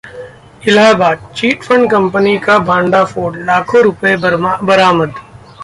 Allahabad: chit fund company का भंडाफोड़, लाखों रुपये बरामद